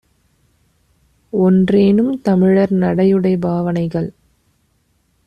ஒன்றேனும் தமிழர்நடை யுடைபாவ னைகள்